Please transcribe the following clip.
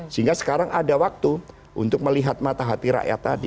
sehingga sekarang ada waktu untuk melihat mata hati rakyat tadi